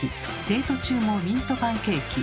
デート中もミントパンケーキ。